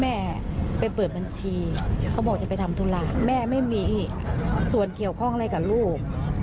แม่ไปเปิดบัญชีเขาบอกจะไปทำธุระแม่ไม่มีส่วนเกี่ยวข้องอะไรกับลูก